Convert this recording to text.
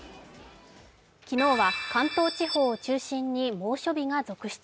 昨日は関東地方を中心に猛暑日が続出。